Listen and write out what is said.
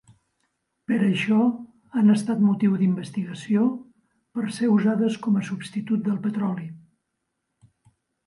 Per això, han estat motiu d'investigació per ser usades com a substitut del petroli.